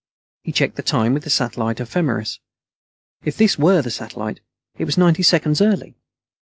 He checked the time with the satellite ephemeris. If this were the satellite, it was ninety seconds early.